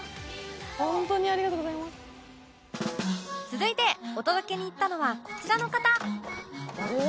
続いてお届けに行ったのはこちらの方！